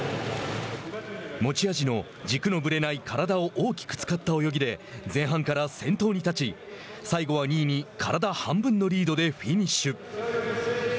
持ち味の軸のぶれない体を大きく使った泳ぎで前半から先頭に立ち最後は２位に体半分のリードでフィニッシュ。